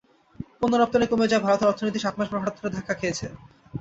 পণ্য রপ্তানি কমে যাওয়ায় ভারতের অর্থনীতি সাত মাস পরে হঠাৎ করে ধাক্কা খেয়েছে।